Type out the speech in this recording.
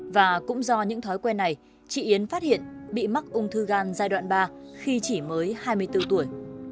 và cũng do những thói quen này chị yến phát hiện bị mắc ung thư gan giai đoạn ba khi chỉ mới hai mươi bốn tuổi